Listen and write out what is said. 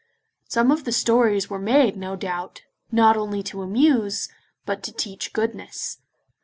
Some of the stories were made, no doubt, not only to amuse, but to teach goodness.